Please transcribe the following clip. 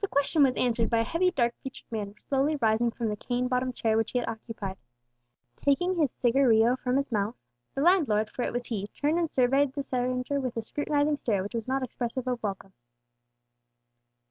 The question was answered by a heavy, dark featured man slowly rising from the cane bottomed chair which he had occupied, and taking a cigarillo from his mouth. The landlord, for it was he, turned and surveyed the stranger with a scrutinizing stare which was not expressive of welcome.